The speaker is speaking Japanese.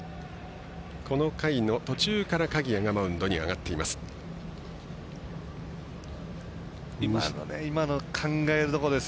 この回の途中から鍵谷がマウンドに上がっています。